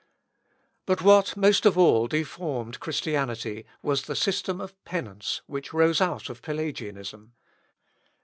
But what most of all deformed Christianity was the system of penance which rose out of Pelagianism.